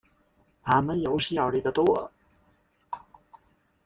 他們有效率的多